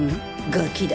ガキだ。